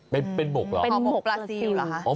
เป็นหมกหรอหมกปลาซิวหรอ